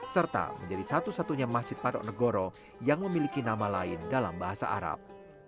serta menjadi satu satunya masjid patok negoro yang memiliki nama lain dalam bahasa arab